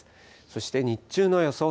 そして日中の予想